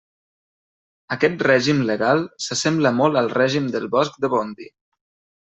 Aquest règim legal s'assembla molt al règim del bosc de Bondy!